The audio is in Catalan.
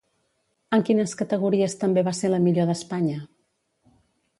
En quines categories també va ser la millor d'Espanya?